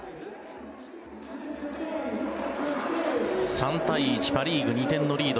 ３対１パ・リーグ２点のリード。